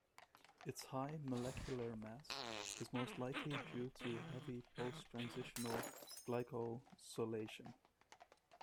Its high molecular mass is most likely due to heavy post-translational glycosylation.